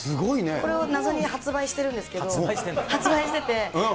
これを謎に発売してるんです発売してるんだ？